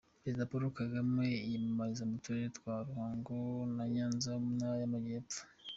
Perezida Paul Kagame yiyamarije mu turere twa Ruhango na Nyanza mu ntara y'amajyepfo.